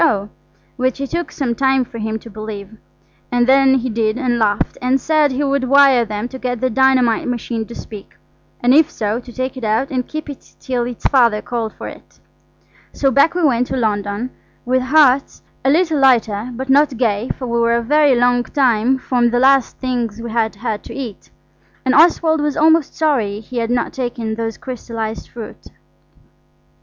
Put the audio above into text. O., which it took some time for him to believe, and then he did and laughed, and said he would wire them to get the dynamite machine to speak, and if so, to take it out and keep it till its Father called for it. So back we went to London, with hearts a little lighter, but not gay, for we were a very long time from the last things we had had to eat. And Oswald was almost sorry he had not taken those crystallised fruits.